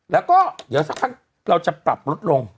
แล้วก็เดี๋ยวสักพักเราจะปรับลดลง